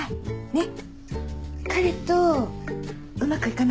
ねっ。